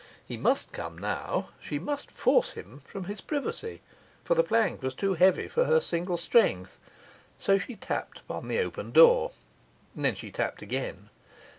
He must come now, she must force him from his privacy, for the plank was too heavy for her single strength; so she tapped upon the open door. Then she tapped again.